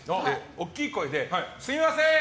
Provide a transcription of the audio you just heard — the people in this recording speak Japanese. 大きい声で、すみませーん！